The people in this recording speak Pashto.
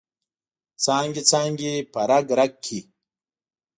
څانګې، څانګې په رګ، رګ کې